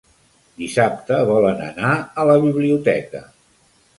Dissabte volen anar a la biblioteca.